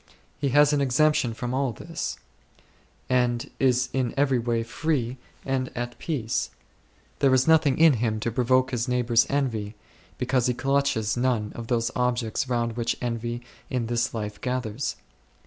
He has an exemption from all this, and is in every way free and at peace ; there is nothing in him to provoke his neighbours' envy, because he clutches none of those objects round which envy in this life gathers.